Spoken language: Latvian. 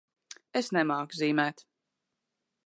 Es nemāku zīmēt.